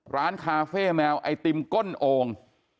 ร้านคาเฟ่แมวไอติมก้นโอ่ง